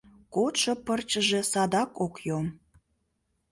Кодшо пырчыже садак ок йом...